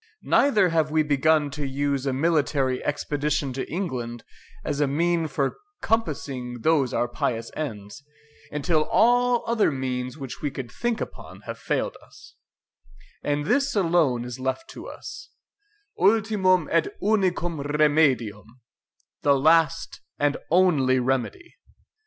Neither have we begun to use a military expedition to England as a mean for compassing those our pious ends, until all other means which we could think upon have failed us: and this alone is left to us, ULTIMUM ET UNICUM REMEDIUM, the last and only remedy."